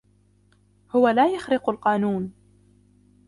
هو لا يخرق القانون.